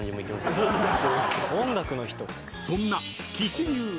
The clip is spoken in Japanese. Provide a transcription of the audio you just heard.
［そんな］